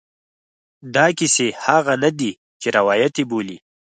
دا کیسې هغه نه دي چې روایت یې بولي.